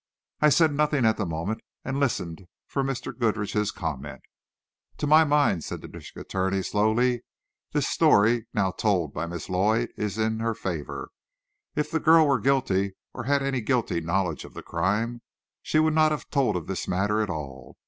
I said nothing at the moment and listened for Mr. Goodrich's comment. "To my mind," said the district attorney slowly, "this story, told now by Miss Lloyd, is in her favor. If the girl were guilty, or had any guilty knowledge of the crime, she would not have told of this matter at all.